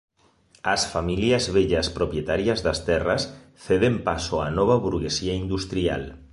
As familias vellas propietarias das terras ceden paso á nova burguesía industrial.